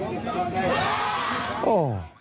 ขอยังหน่อย